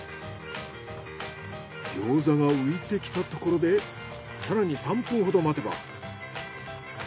餃子が浮いてきたところで更に３分ほど待てば。